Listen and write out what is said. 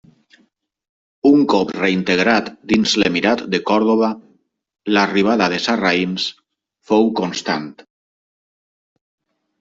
Un cop reintegrat dins l'emirat de Còrdova, l'arribada de sarraïns fou constant.